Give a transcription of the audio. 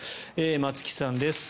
松木さんです。